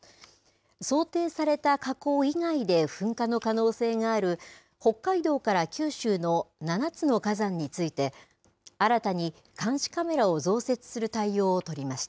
想定された火口以外で噴火の可能性がある、北海道から九州の７つの火山について、新たに監視カメラを増設する対応を取りました。